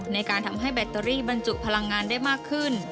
ในการทำให้แบตเตอรี่บรรจุพลังงานได้มากขึ้น